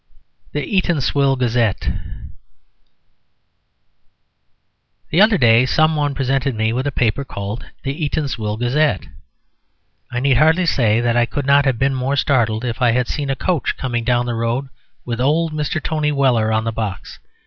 THE "EATANSWILL GAZETTE." The other day some one presented me with a paper called the Eatanswill Gazette. I need hardly say that I could not have been more startled if I had seen a coach coming down the road with old Mr. Tony Weller on the box.